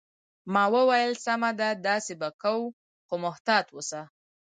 ما وویل: سمه ده، داسې به کوو، خو محتاط اوسه.